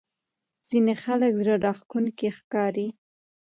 ځینې خلک زړه راښکونکي ښکاري.